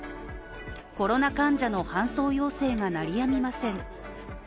コロナ患者の搬送要請が鳴りやみません。